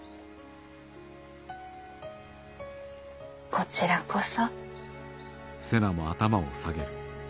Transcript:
こちらこそ。